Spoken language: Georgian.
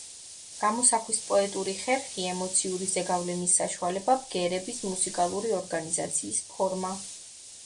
გამოსახვის პოეტური ხერხი, ემოციური ზეგავლენის საშუალება, ბგერების მუსიკალური ორგანიზაციის ფორმა.